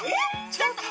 ちょっと！